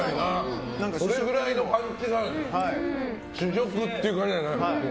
これくらいのパンチが主食っていう感じだよね。